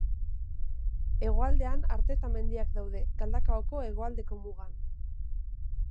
Hegoaldean Arteta mendiak daude, Galdakaoko hegoaldeko mugan.